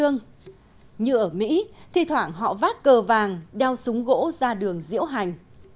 như ở mỹ thì thoảng họ vác cơ vàng đeo súng gỗ ra đường diễu hành